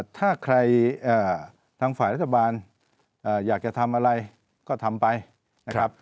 ถ้าใครทางฝ่ายรัฐบาลอยากจะทำอะไรก็ทำไปนะครับ